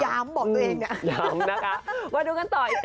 ย้ำบอกตัวเองน่ะย้ำนะคะวันดูกันต่ออีก